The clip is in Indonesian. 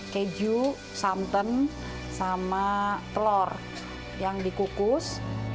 keju santan sama telur yang dikukus